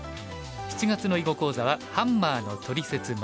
７月の囲碁講座は「ハンマーのトリセツ④」。